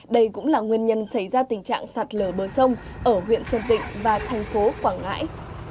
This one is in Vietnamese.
đây cũng là nguyên nhân xảy ra tình trạng sạt lở bờ sông ở huyện sơn tịnh và thành phố quảng ngãi